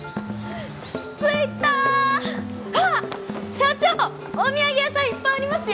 社長お土産屋さんいっぱいありますよ